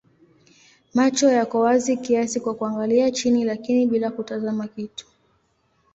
Macho yako wazi kiasi kwa kuangalia chini lakini bila kutazama kitu.